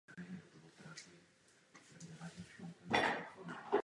Kvůli tomu a nedostatku dálnic v západní části Bergenu byla výstavba mostu odložena.